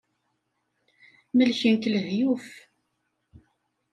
Melken-k lehyuf.